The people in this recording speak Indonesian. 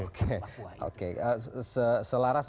di kelopak maka oke selaras